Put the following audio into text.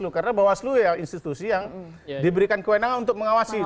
karena bawaslu ya institusi yang diberikan kewenangan untuk mengawasi